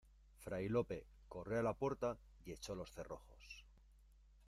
fray Lope corrió a la puerta y echó los cerrojos.